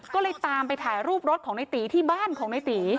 ก็เลยตามไปถ่ายรูปรถของในตีที่บ้านของในตี